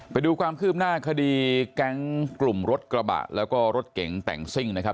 ไปดูความคืบหน้าคดีแก๊งกลุ่มรถกระบะแล้วก็รถเก๋งแต่งซิ่งนะครับ